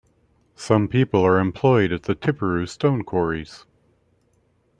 Some people are employed at the Tiperu Stone Quarries.